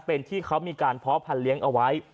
เป็นที่เขามีการเพาะพันธ์เลี้ยงเอาไว้